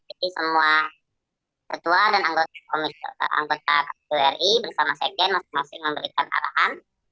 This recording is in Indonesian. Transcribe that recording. jadi semua ketua dan anggota kpu ri bersama segen masing masing memberikan arahan